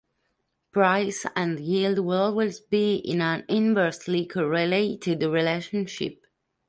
Price and yield will always be in an inversely correlated relationship.